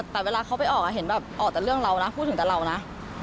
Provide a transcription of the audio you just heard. แต่เวลาเขาไปออกเห็นแบบออกแต่เรื่องเรานะพูดถึงแต่เรานะ